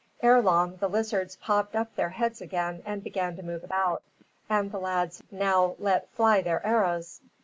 Ere long the lizards popped up their heads again, and began to move about, and the lads now let fly their arrows.